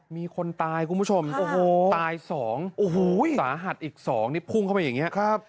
มีคนตายคุณผู้ชมตาย๒สาหัสอีก๒นี่พุ่งเข้าไปอย่างนี้ครับ